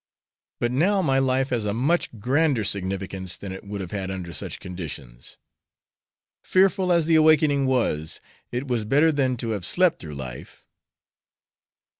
But now my life has a much grander significance than it would have had under such conditions. Fearful as the awakening was, it was better than to have slept through life."